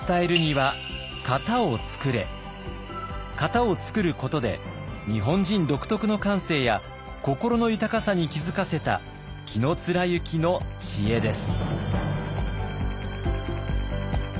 型を創ることで日本人独特の感性や心の豊かさに気付かせた紀貫之の知恵です。